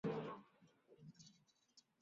今天的日本民族主义情绪在升温。